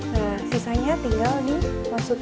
nah sisanya tinggal dimasukin